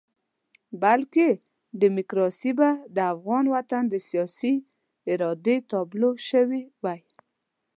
بلکې ډیموکراسي به د افغان وطن د سیاسي ارادې تابلو شوې وای.